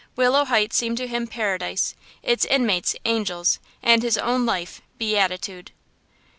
Willow Heights seemed to him paradise, its inmates angels, and his own life–beatitude!